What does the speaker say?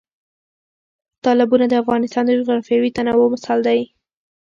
تالابونه د افغانستان د جغرافیوي تنوع مثال دی.